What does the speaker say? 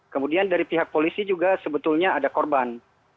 kemudian dari pihak polisi juga sebetulnya ada korban